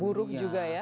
buruk juga ya